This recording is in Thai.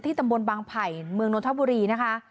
ตำบลบางไผ่เมืองนทบุรีนะคะ